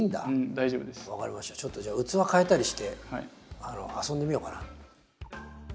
ちょっとじゃあ器替えたりして遊んでみようかな。